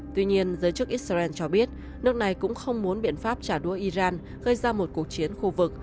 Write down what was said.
tuy nhiên giới chức israel cho biết nước này cũng không muốn biện pháp trả đua iran gây ra một cuộc chiến khu vực